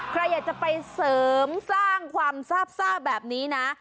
ใครอยากจะไปเสริมสร้างความทราบซ่าแบบนี้นะ